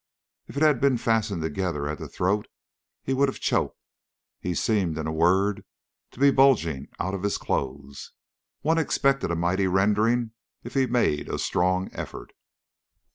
If it had been fastened together at the throat he would have choked. He seemed, in a word, to be bulging out of his clothes. One expected a mighty rending if he made a strong effort.